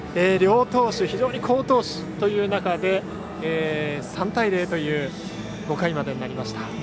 両投手が非常に好投手という中で３対０という５回までになりました。